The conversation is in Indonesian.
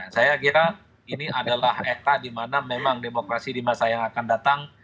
saya kira ini adalah eta di mana memang demokrasi di masa yang akan datang